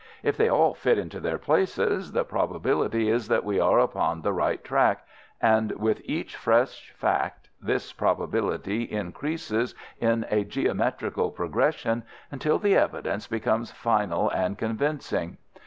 If they all fit into their places, the probability is that we are upon the right track, and with each fresh fact this probability increases in a geometrical progression until the evidence becomes final and convincing.